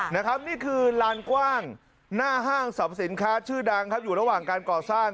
นี่คือลานกว้างหน้าห้างสรรพสินค้าชื่อดังครับอยู่ระหว่างการก่อสร้าง